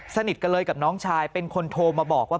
สนิทกันเลยกับน้องชายเป็นคนโทรมาบอกว่า